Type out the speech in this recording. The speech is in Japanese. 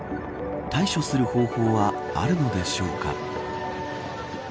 対処する方法はあるのでしょうか。